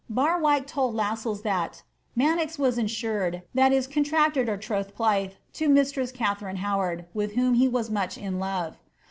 Barwike told Lassells thst ^Manoz was ensured, that is contracted or troth plight, to mistieti Katharine Howard, with whom he was much in love."